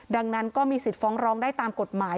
ดังนั้นก็มีสิทธิ์ฟ้องร้องได้ตามกฎหมาย